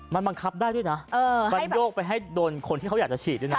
มันบังคับได้ด้วยนะมันโยกไปให้โดนคนที่เขาอยากจะฉีดด้วยนะ